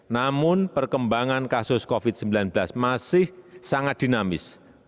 namun perkembangan kasus covid sembilan belas masih sangat dinamis